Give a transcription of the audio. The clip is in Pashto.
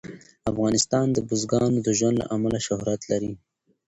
افغانستان د بزګانو د ژوند له امله شهرت لري.